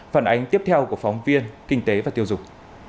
phản ánh tiếp theo của phóng viên kinh tế và tiêu dục